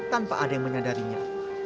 tanpa ada yang menyadarinya